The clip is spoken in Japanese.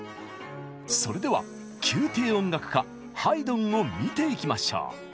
それでは宮廷音楽家ハイドンを見ていきましょう！